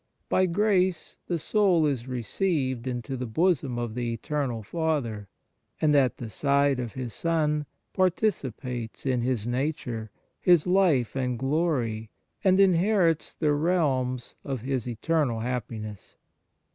By grace the soul is received into the bosom of the Eternal Father, and at the side of His Son, participates in His nature, His life and glory, and inherits the realms of His eternal happiness.